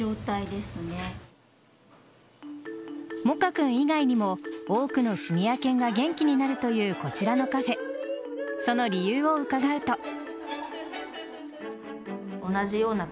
モカ君以外にも多くのシニア犬が元気になるというこちらのカフェその理由を伺うと。